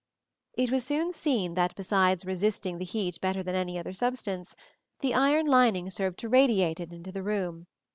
It was soon seen that besides resisting the heat better than any other substance, the iron lining served to radiate it into the room.